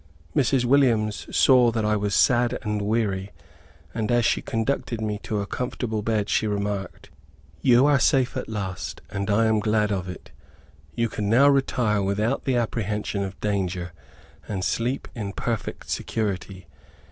Mrs. Williams saw that I was sad and weary, and as she conducted me to a comfortable bed, she remarked, "You are safe at last, and I am glad of it. You can now retire without the apprehension of danger, and sleep in perfect security.